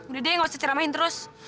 udah deh nggak usah ceramahin terus